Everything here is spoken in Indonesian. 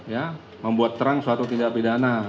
ya membuat terang suatu tindak pidana